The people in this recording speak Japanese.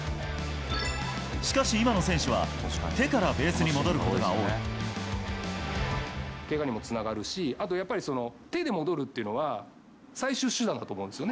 しかし今の選手は、けがにもつながるし、あとやっぱり手で戻るっていうのは、最終手段だと思うんですよね。